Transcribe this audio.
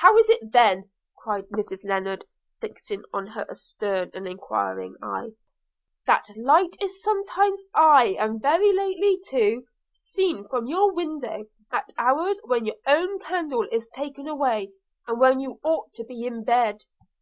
'How is it then,' cried Mrs Lennard, fixing on her a stern and enquiring eye, 'that light is sometimes, aye and very lately too, seen from your window, at hours when your own candle is taken away, and when you ought to be in bed?'